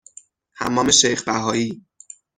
حمام شیخ بهایی